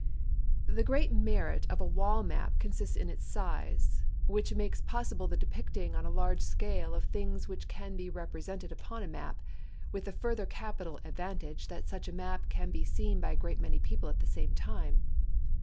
The great merit of a wall map consists in its size, which makes possible the depicting on a large scale of the things which can be represented upon a map, with the further capital advantage that such a map can be seen by a great many people at the same time.